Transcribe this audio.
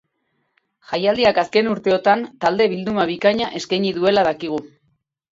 Jaialdiak azken urteotan talde bilduma bikaina eskaini duela dakigu.